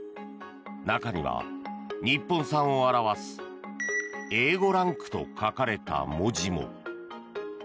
中には日本産を表すＡ５ランクと書かれた文字も。